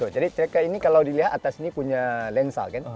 jadi tracker ini kalau dilihat atas ini punya lensa kan